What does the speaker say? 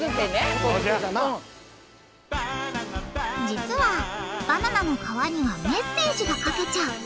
実はバナナの皮にはメッセージが書けちゃう。